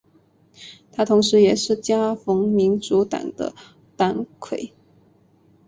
他同时也是加蓬民主党的党魁。